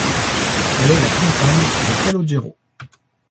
Elle est la compagne de Calogero.